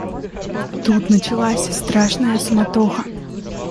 Тут началась страшная суматоха.